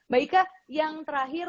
baiklah yang terakhir